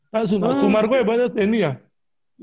kalau sumargo ya banyak senior